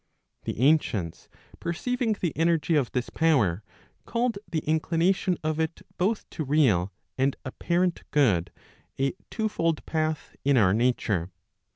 The ancients perceiving the energy of this power, called the inclination of it both to real and apparent good, a twofold path in our nature.